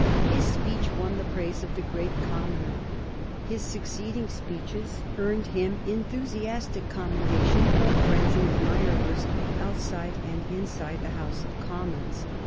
His speech won the praise of the Great Commoner; his succeeding speeches earned him enthusiastic commendation from friends and admirers outside and inside the House of Commons.